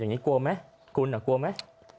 อย่างนี้กลัวไหมคุณกลัวไหม